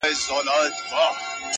ښه خواږه لکه ګلان داسي ښایسته وه,